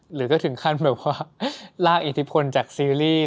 หรือก็ถึงขั้นแบบว่าลากอิทธิพลจากซีรีส์